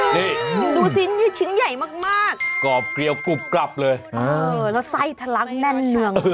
นี่ดูสินี่ชิ้นใหญ่มากกรอบเกลียวกรุบกลับเลยเออแล้วไส้ทะลักแน่นเนือง